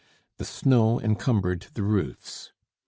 The snow encumbered the roofs.